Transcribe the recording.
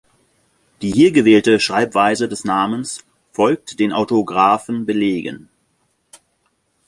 Die hier gewählte Schreibweise des Namens folgt den autographen Belegen.